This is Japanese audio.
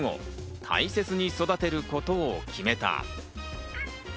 大切に育てることを決めた。